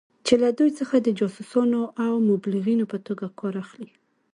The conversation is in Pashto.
چې له دوی څخه د جاسوسانو او مبلغینو په توګه کار اخلي.